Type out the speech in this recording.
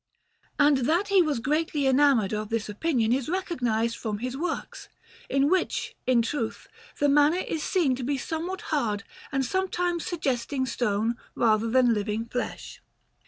And that he was greatly enamoured of this opinion is recognized from his works, in which, in truth, the manner is seen to be somewhat hard and sometimes suggesting stone rather than living flesh.